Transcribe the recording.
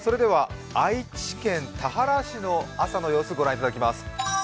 愛知県田原市の朝の様子、御覧いただきます。